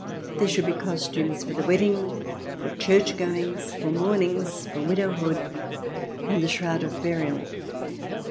There should be costumes for the wedding, for church goings, for mournings, for widowhood, and the shroud of burial.